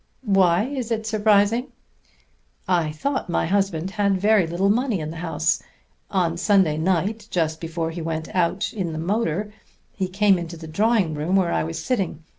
"Why is it surprising?" "I thought my husband had very little money in the house. On Sunday night, just before he went out in the motor, he came into the drawing room where I was sitting.